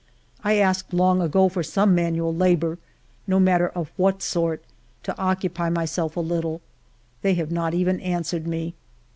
I asked long ago for some manual labor, no matter of what sort, to occupy myself a little. They have not even answered me.